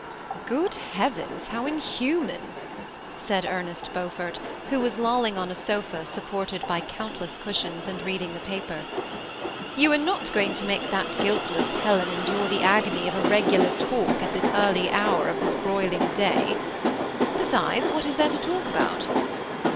" Grood heavens, how inhuman I " said Ernest Beau fort, who was lolling on a sofa, supported by countless cushions, and reading the paper ;" you are not going to make that guiltless Helen endure the agony of a regu lar talk at this early hour of this broiling day. Be sides, what is there to talk about?"